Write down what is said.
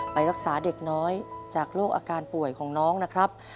ไปรักษาเด็กน้อยจากโรคอาการป่วยของน้องนะครับ